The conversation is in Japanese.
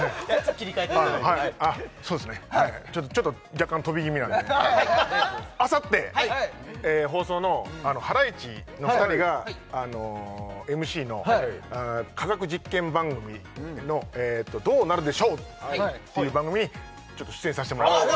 はいちょっと若干とび気味なんであさって放送のハライチの２人がＭＣの科学実験番組の「どうなるでＳＨＯＷ」っていう番組にちょっと出演させてもらいました